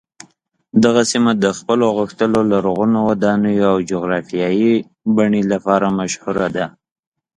دغه سیمه د خپلو غښتلو لرغونو ودانیو او جغرافیايي بڼې لپاره مشهوره ده.